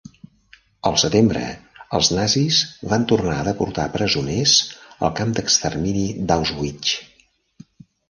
Al setembre, els nazis van tornar a deportar presoners al camp d'extermini d'Auschwitz.